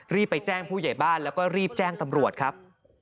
รีบไปแจ้งผู้ใหญ่บ้านแล้วก็รีบแจ้งตำรวจครับ